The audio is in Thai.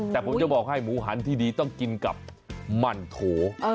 แต่ผมจะบอกให้หมูหันที่ดีต้องกินกับหมั่นโถ